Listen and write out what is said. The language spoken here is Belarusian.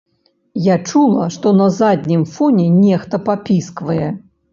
Я чула, што на заднім фоне нехта папісквае.